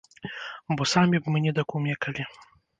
Бо самі б мы не дакумекалі.